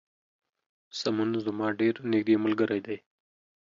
سمون زما ډیر نږدې ملګری دی